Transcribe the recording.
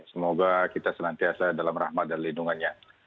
semoga kita senantiasa dalam rahmat dan lindungannya